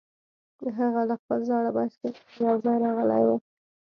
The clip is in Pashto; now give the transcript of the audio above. هغه له خپل زاړه بایسکل سره یوځای راغلی و